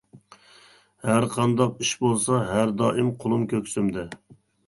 ھەر قانداق ئىش بولسا ھەر دائىم قولۇم كۆكسۈمدە!